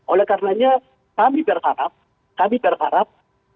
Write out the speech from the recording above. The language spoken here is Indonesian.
oleh karena kami berharap